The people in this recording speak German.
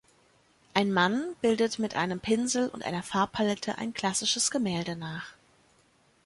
Ein Mann bildet mit einem Pinsel und einer Farbpalette ein klassisches Gemälde nach